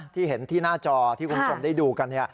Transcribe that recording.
ที่เห็นที่หน้าจอที่คุณผู้ชมได้ดูกัน